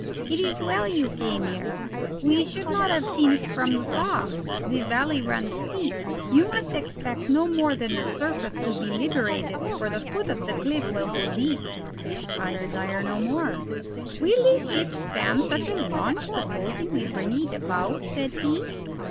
It is well you came here. We should not have seen it from the top. This valley runs steep. You must expect no more than the surface to be liberated, for the foot of the cliff will go deep." "I desire no more." "Will the ship stand such a launch, supposing we bring it about?" said he.